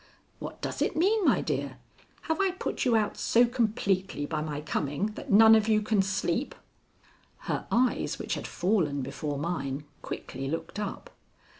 What does it mean, my dear? Have I put you out so completely by my coming that none of you can sleep?" Her eyes, which had fallen before mine, quickly looked up.